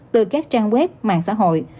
từ các trang web mạng xã hội